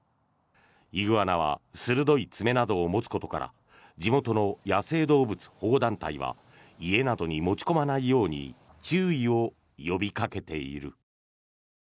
イグアナは鋭い爪などを持つことから地元の野生動物保護団体は家などに持ち込まないように注意を呼びかけている。